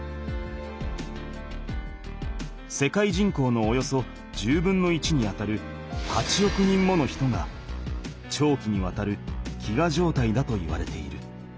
世界人口のおよそ１０分の１にあたる８億人もの人が長期にわたる飢餓状態だといわれている。